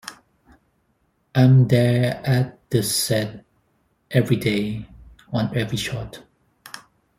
I'm there at the set every day, on every shot.